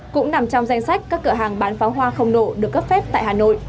cũng nằm trong danh sách các cửa hàng bán pháo hoa không nổ được cấp phép tại hà nội